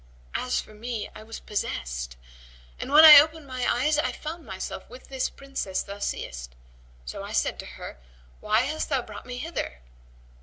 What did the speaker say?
As for me I was possessed[FN#123] and, when I opened my eyes, I found myself with this Princess thou seest; so I said to her, 'Why hast thou brought me hither?'